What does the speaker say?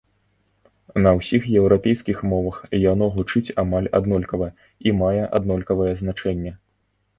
На ўсіх еўрапейскіх мовах яно гучыць амаль аднолькава і мае аднолькавае значэнне.